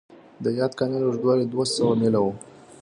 د یاد کانال اوږدوالی دوه سوه میله و.